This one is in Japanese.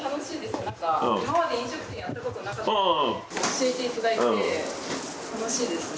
教えていただいて楽しいですね。